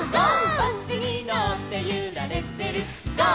「バスにのってゆられてるゴー！